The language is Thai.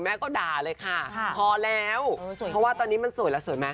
ก็ด่าเลยค่ะพอแล้วเพราะว่าตอนนี้มันสวยแล้วสวยไหม